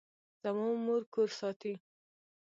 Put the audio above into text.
زما مور کور ساتي